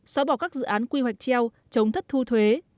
xóa bỏ các dự án quy hoạch treo chống thất thu thuế